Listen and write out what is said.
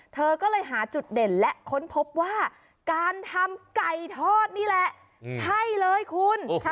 เธอก็เลยหาจุดเด่นและค้นพบว่าการทำไก่ทอดนี่แหละใช่เลยคุณ